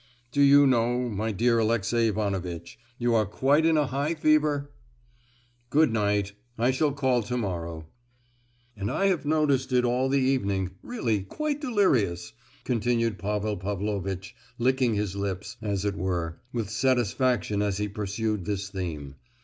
"Do you know, my dear Alexey Ivanovitch, you are quite in a high fever!" "Good night. I shall call to morrow." "And I have noticed it all the evening, really quite delirious!" continued Pavel Pavlovitch, licking his lips, as it were, with satisfaction as he pursued this theme.